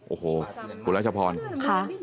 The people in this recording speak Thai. โอ้โหคุณรัชพรค่ะ